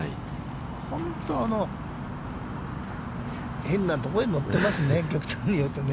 本当に変なとこに乗ってますね、極端に言うと。